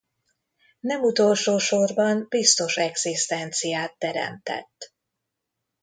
Nem utolsósorban biztos egzisztenciát teremtett.